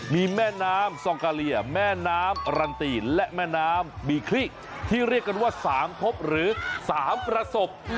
มีแม่น้ำซองกาเลียแม่น้ำรันตีและแม่น้ำบีคลิกที่เรียกกันว่า๓พบหรือ๓ประสบ